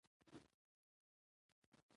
جهاد د اسلام او اسلامي امت عزت دی.